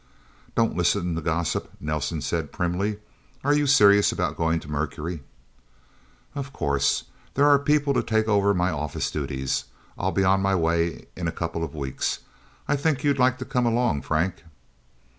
"Don't listen to gossip," Nelsen said primly. "Are you serious about going to Mercury?" "Of course. There are people to take over my office duties. I'll be on my way in a couple of weeks. I think you'd like to come along, Frank."